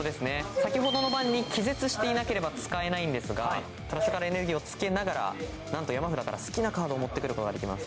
先ほどの番に気絶していなければ使えないんですがトラッシュからエネルギーをつけながらなんと山札から好きなカードを持ってくることができます。